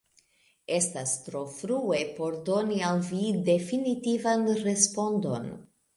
Estas tro frue por doni al vi definitivan respondon.